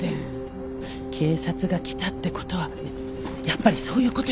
警察が来たってことはやっぱりそういうことよね？